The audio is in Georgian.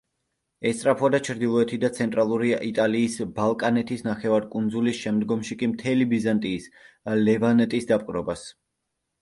ესწრაფვოდა ჩრდილოეთი და ცენტრალური იტალიის, ბალკანეთის ნახევარკუნძულის, შემდგომში კი მთელი ბიზანტიის, ლევანტის დაპყრობას.